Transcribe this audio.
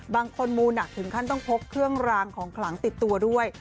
บางคนมูหนักถึงขั้นต้องพกเครื่องรางของขลังติดตัวด้วย